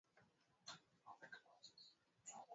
ya miti mitubwi na kuingia bara la ulaya